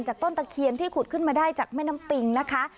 ต้นตะเคียนที่ขุดขึ้นมาได้จากแม่น้ำปิงนะคะ